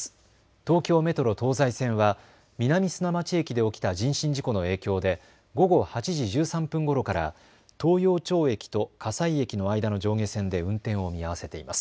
東京メトロ東西線は南砂町駅で起きた人身事故の影響で午後８時１３分ごろから東陽町駅と葛西駅の間の上下線で運転を見合わせています。